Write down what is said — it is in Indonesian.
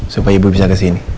supaya ibu bisa ke sini